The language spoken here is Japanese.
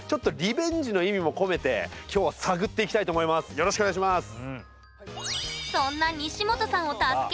よろしくお願いします。